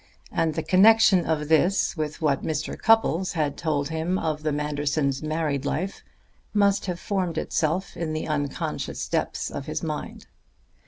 And the connection of this with what Mr. Cupples had told him of the Mandersons' married life must have formed itself in the unconscious depths of his mind.